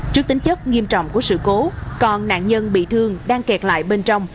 trước tính chất nghiêm trọng của sự cố còn nạn nhân bị thương đang kẹt lại bên trong